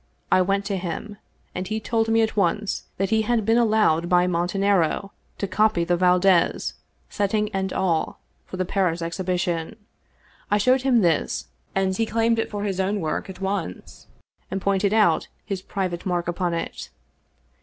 I went to him, and he told me at once that he had been allowed by Montanaro to copy the Valdez — setting and all — for the Paris Exhibition. I showed him this, and he claimed it for his own work at once, and pointed out his private mark upon it.